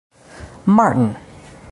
Martin.